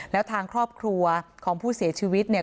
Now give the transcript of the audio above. แล้วทางครอบครัวของผู้เสียชีวิตเนี่ย